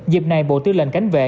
dịp này bộ tư lệnh cánh vệ